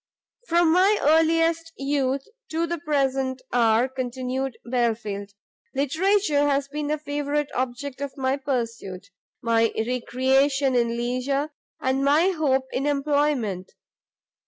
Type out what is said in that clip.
"From my earliest youth to the present hour," continued Belfield, "literature has been the favourite object of my pursuit, my recreation in leisure, and my hope in employment.